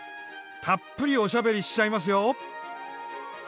たっぷりおしゃべりしちゃいますよ！